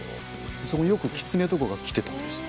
そこによくキツネとかが来てたんですよ。